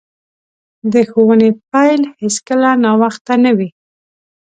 د ښوونې پیل هیڅکله ناوخته نه وي.